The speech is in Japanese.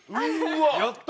やった！